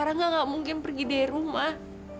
rangga gak mungkin pergi deh rumah